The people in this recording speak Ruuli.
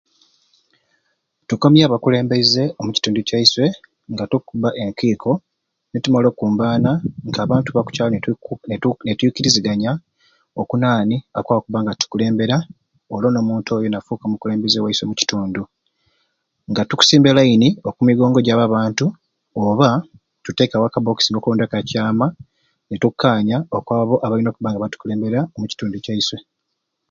Tukomya abakulembeze omu kitundu kyaiswe nga tukubba enkiko nitumala okumbana nk'abantu bakukyalo nitu nitwikiriziganya oku nani akwakubanga atukulembeera olwoni omuntu oyo nafuka omukulembeze waiswe omu kitundu nga tukusimba elayini oku migongo jabo abantu oba tutekawo aka bokisi okukulonda kwa kyama nitukanya okwabo abayina okubanga batukulembera omu kitundu kyaiswe.